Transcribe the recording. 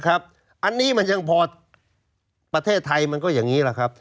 อันนี้มันยังพอประเทศไทยมันก็อย่างนี้แหละครับ